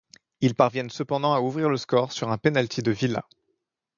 Ils parviennent cependant à ouvrir le score sur un pénalty de Villa.